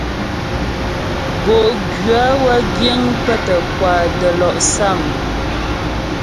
Bo'gwyə̌ wə́ giŋ pə́ tə́ kwà də́lɔ'sâm.